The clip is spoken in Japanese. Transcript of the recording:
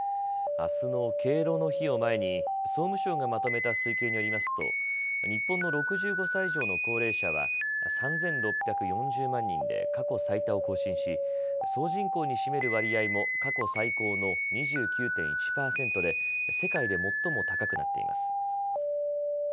あすの敬老の日を前に、総務省がまとめた推計によりますと、日本の６５歳以上の高齢者は３６４０万人で過去最多を更新し、総人口に占める割合も、過去最高の２９．１％で、世界で最も高くなっています。